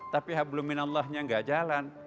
tapi yang belum menanlahnya tidak jalan